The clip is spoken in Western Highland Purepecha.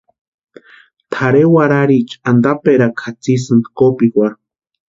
Tʼarhe warhariecha antaperakwa jatsisïnti kopikwarhu.